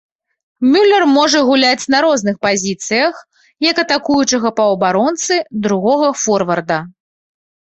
Мюлер можа гуляць на розных пазіцыях, як атакуючага паўабаронцы, другога форварда.